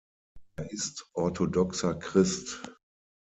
Er ist orthodoxer Christ.